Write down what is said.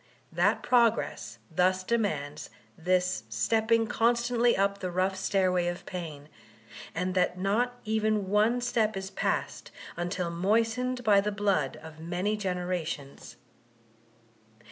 That progress thus demands diis ste|K Dybk D. Luk J91 ping constantly up the roof^ stairway of pain ; and that not even one step is passed until moistened by the blood of many generations.